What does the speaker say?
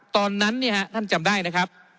ตอนนั้นท่านจำได้นะครับ